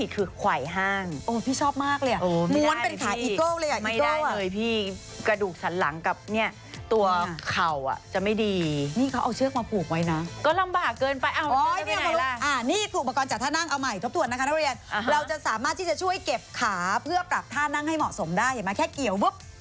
เขาบอกว่าผู้ชายอ่ะเขาชอบนั่งกลางขาออกเรื่อย